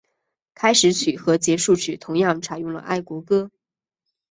开始曲和结束曲同样采用了爱国歌。